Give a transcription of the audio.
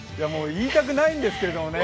言いたくないんですけれどもね